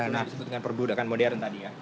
nah disebut dengan perbudakan modern tadi ya